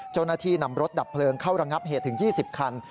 เจ้าหน้าที่นำรถดับเพลิงเข้าระงับเหตุถึง๒๐คัน